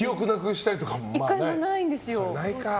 １回もないんですよ。